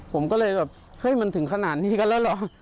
ผมก็เลยแบบเฮ้ยมันถึงขนาดนี้กันแล้วเหรอ